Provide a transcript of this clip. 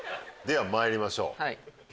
ではまいりましょう。